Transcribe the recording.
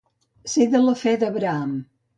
Ser de la fe d'Abraham.